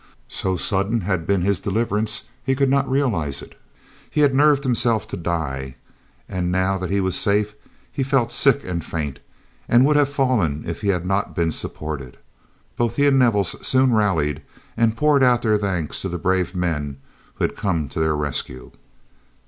So sudden had been his deliverance, he could not realize it. He had nerved himself to die, and now that he was safe, he felt sick and faint, and would have fallen if he had not been supported. Both he and Nevels soon rallied, and poured out their thanks to the brave men who had come to their rescue.